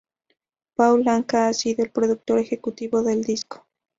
Paul Anka ha sido el productor ejecutivo del disco.